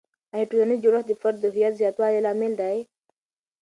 آیا ټولنیز جوړښت د فرد د هویت زیاتوالي لامل دی؟